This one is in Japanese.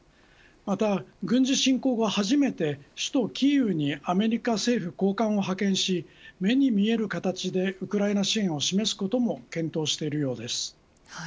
また軍事侵攻後初めて首都キーウにアメリカの政府高官を派遣し目に見える形でウクライナ支援を示すことも検討しているようです。